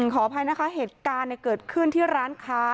ขออภัยนะคะเหตุการณ์เกิดขึ้นที่ร้านค้า